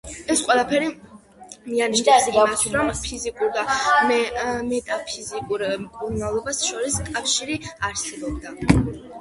ეს ყველაფერი მიანიშნებს იმას, რომ ფიზიკურ და მეტაფიზიკურ მკურნალობას შორის კავშირი არსებობდა.